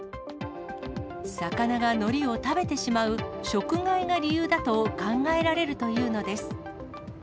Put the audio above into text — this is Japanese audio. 魚がのりを食べてしまう、食害が理由だと考えられるというのです。